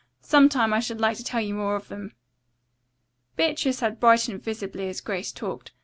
Some time I should like to tell you more of them." Beatrice had brightened visibly as Grace talked.